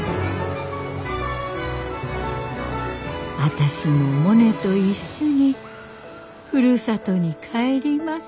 私もモネと一緒にふるさとに帰ります。